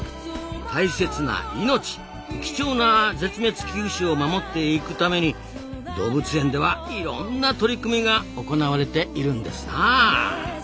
大切な命貴重な絶滅危惧種を守っていくために動物園ではいろんな取り組みが行われているんですなあ。